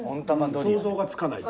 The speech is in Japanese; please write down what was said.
想像がつかない。